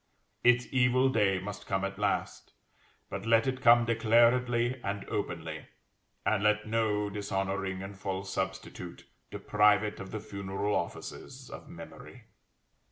Its evil day must come at last; but let it come declaredly and openly, and let no dishonoring and false substitute deprive it of the funeral offices of memory.